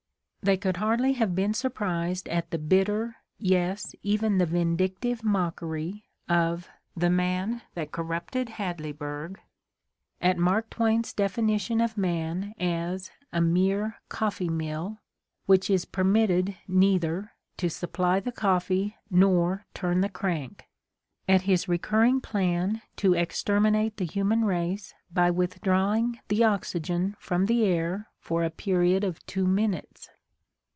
They could hardly have been surprised at the bitter, yes, even the vindictive, mockery of "The Man That Cor rupted Hadleyburg," at Mark Twain's definition of man as a "mere coffee mill" which is permitted neither "to supply the coffee nor turn the crank," at his recurring "plan" to exterminate the human race by withdrawing the oxygen from the air for a period of two minutes.